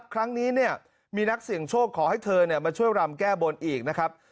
ครั้งนี้มีนักเสี่ยงโชคขอให้เธอมาช่วยรำแก้บนอีกนะครับ